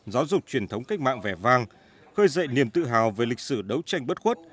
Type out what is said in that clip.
giáo dục truyền thống cách mạng vẻ vang khơi dậy niềm tự hào về lịch sử đấu tranh bất khuất